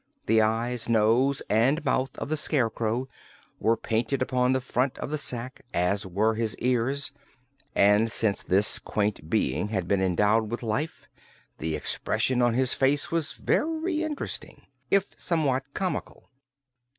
The eyes, nose and mouth of the Scarecrow were painted upon the front of the sack, as were his ears, and since this quaint being had been endowed with life, the expression of his face was very interesting, if somewhat comical.